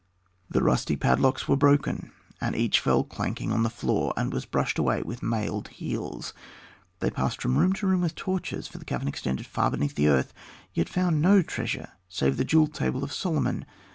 The rusty padlocks were broken, and each fell clanking on the floor, and was brushed away by mailed heels. They passed from room to room with torches, for the cavern extended far beneath the earth; yet they found no treasure save the jewelled table of Solomon.